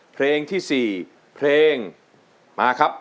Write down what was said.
เพลงที่๔เพลงมาครับ